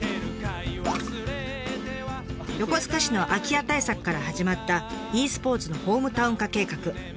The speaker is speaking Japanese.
横須賀市の空き家対策から始まったｅスポーツのホームタウン化計画。